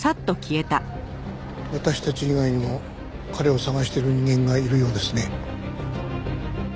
私たち以外にも彼を捜してる人間がいるようですね。